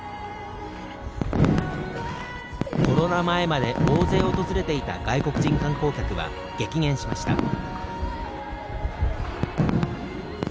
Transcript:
コロナ前まで大勢訪れていた外国人観光客は激減しました。